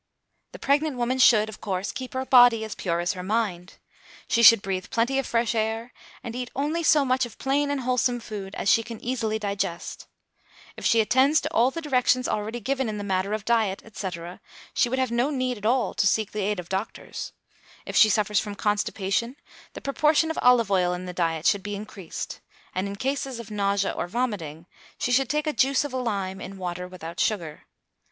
The pregnant woman should, of course, keep her body as pure as her mind. She should breathe plenty of fresh air, and eat only so much of plain and wholesome food as she can easily digest. If she attends to all the directions already given in the matter of diet etc., she would have no need at all to seek the aid of doctors. If she suffers from constipation, the proportion of olive oil in the diet should be increased; and in cases of nausea or vomitting, she should take juice of lime in water without sugar.